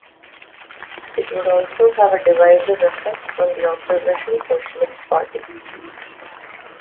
It would also have a divisive effect on the opposition Socialist Party.